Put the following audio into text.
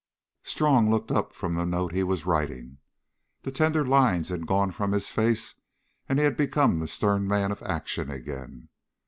Strong looked up from the note he was writing. The tender lines had gone from his face, and he had become the stern man of action again.